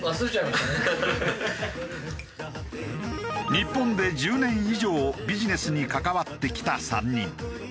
日本で１０年以上ビジネスに関わってきた３人。